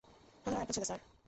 সাধারণ একটা ছেলে, স্যার।